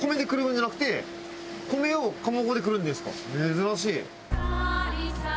珍しい。